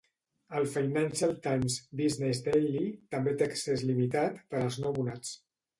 "El Financial Times" Business Daily també té accés limitat per als no abonats.